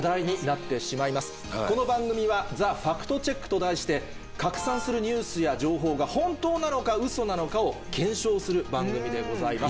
この番組は『Ｔｈｅファクトチェック』と題して拡散するニュースや情報が本当なのかウソなのかを検証する番組でございます。